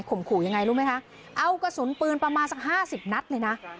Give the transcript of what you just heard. ขู่ยังไงรู้ไหมคะเอากระสุนปืนประมาณสักห้าสิบนัดเลยนะ